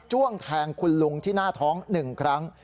้วงแทงคุณลุงที่หน้าท้อง๑ครั้ง